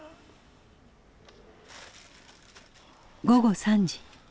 午後３時。